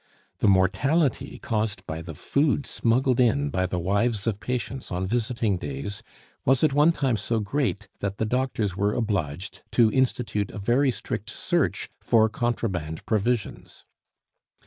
The mortality caused by the food smuggled in by the wives of patients on visiting days was at one time so great that the doctors were obliged to institute a very strict search for contraband provisions.